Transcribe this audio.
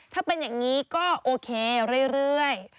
ถ้าเป็นอย่างนี้ก็โอเคเรื่อย